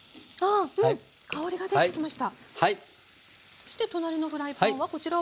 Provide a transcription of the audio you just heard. そして隣のフライパンはこちらは。